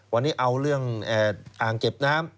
วันนี้เอาเรื่องอ่างเก็บน้ำ